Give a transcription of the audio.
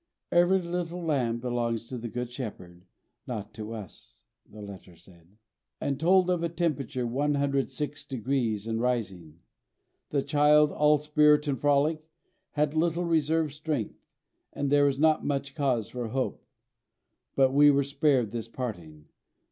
"Every little lamb belongs to the Good Shepherd, not to us," the letter said, and told of a temperature 106° and rising. The child, all spirit and frolic, had little reserve strength, and there was not much cause for hope. But we were spared this parting.